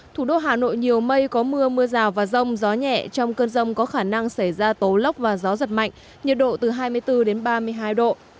thủ đô hà nội nhiều mây có mưa mưa rào và rông gió nhẹ trong cơn rông có khả năng xảy ra tố lốc và gió giật mạnh nhiệt độ từ hai mươi bốn đến ba mươi hai độ